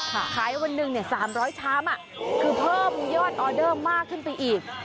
ขายวันหนึ่ง๓๐๐ชามคือเพิ่มยอดออเดอร์มากขึ้นไปอีก